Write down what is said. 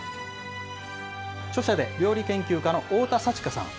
著者で料理研究家の太田さちかさん。